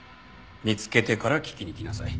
見つけてから聞きに来なさい。